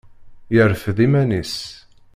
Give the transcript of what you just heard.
yerfed iman-is.